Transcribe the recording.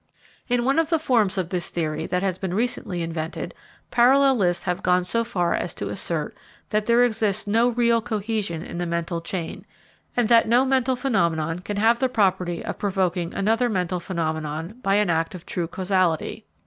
In one of the forms of this theory that has been recently invented, parallelists have gone so far as to assert that there exists no real cohesion in the mental chain, and that no mental phenomenon can have the property of provoking another mental phenomenon by an act of true causality.